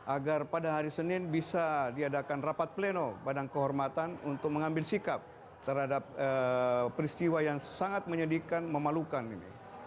agar pada hari senin bisa diadakan rapat pleno badan kehormatan untuk mengambil sikap terhadap peristiwa yang sangat menyedihkan memalukan ini